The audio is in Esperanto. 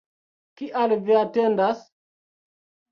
Kial vi atendas?